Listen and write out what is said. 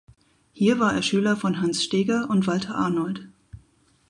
Hier war er Schüler von Hans Steger und Walter Arnold.